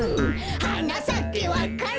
「はなさけわか蘭」